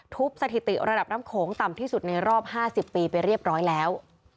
สถิติระดับน้ำโขงต่ำที่สุดในรอบ๕๐ปีไปเรียบร้อยแล้ว